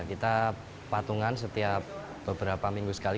kita patungan setiap beberapa minggu sekali